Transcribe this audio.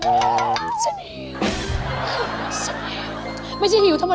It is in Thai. ฉันหิวฉันหิวไม่ใช่หิวธรรมดา